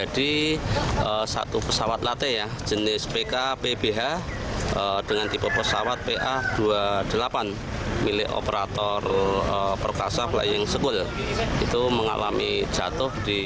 dua delapan milik operator perkasa pelayang sekolah itu mengalami jatuh di